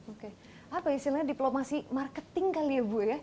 oke apa istilahnya diplomasi marketing kali ya bu ya